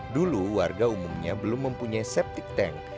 dulu warga umumnya belum mempunyai septic tank